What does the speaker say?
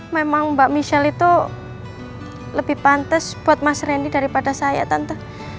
memang mbak michelle itu lebih pantas buat mas randy daripada saya tentu